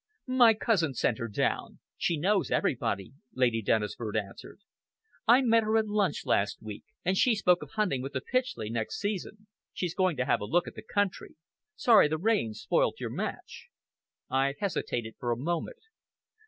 "My cousin sent her down. She knows everybody," Lady Dennisford answered. "I met her at lunch last week, and she spoke of hunting with the Pytchley next season. She's going to have a look at the country. Sorry the rain spoilt your match." I hesitated a moment.